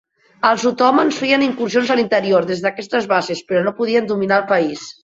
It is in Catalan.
Els otomans feien incursions a l'interior, des d'aquestes bases, però no podien dominar el país.